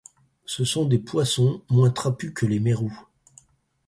Ce sont des poissons moins trapus que les mérous.